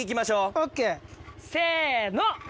ＯＫせの。